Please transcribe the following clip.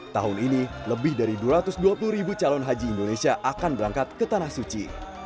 tahun ini lebih dari dua ratus dua puluh ribu calon haji indonesia akan berangkat ke tanah suci